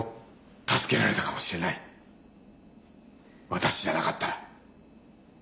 私じゃなかったら。